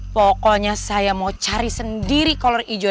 pokoknya saya mau cari sendiri color ijo